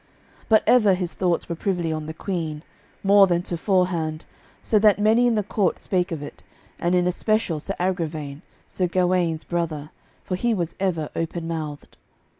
But ever his thoughts were privily on the Queen, more than toforehand, so that many in the court spake of it, and in especial Sir Agravaine, Sir Gawaine's brother, for he was ever open mouthed.